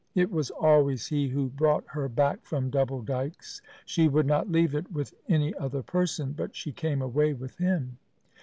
It was always he who brought her back from Double Dykes. She would not leave it with any other person, but she came away with him.